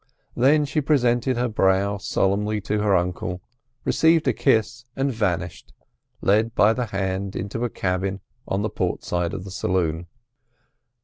Then she presented her brow solemnly to her uncle, received a kiss and vanished, led by the hand into a cabin on the port side of the saloon.